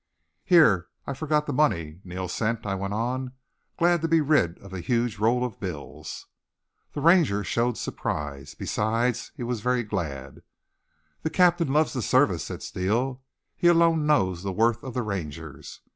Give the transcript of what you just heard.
"Here, I forgot the money Neal sent," I went on, glad to be rid of the huge roll of bills. The Ranger showed surprise. Besides, he was very glad. "The Captain loves the service," said Steele. "He alone knows the worth of the Rangers.